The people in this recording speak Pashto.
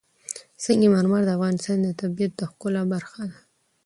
سنگ مرمر د افغانستان د طبیعت د ښکلا برخه ده.